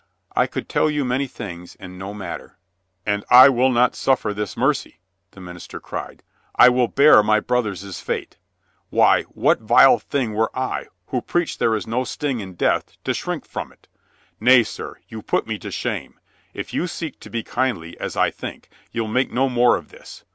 "I could tell you many things and no matter." "And I will not suffer this mercy," the minister cried. "I will bear my brothers' fate. Why, what vile thing were I, who preach there is no sting in death, to shrink from it? Nay, sir, you put me to shame. If you seek to be kindly, as I think, you'll make no more of this.